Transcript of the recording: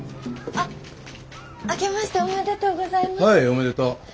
はいおめでとう。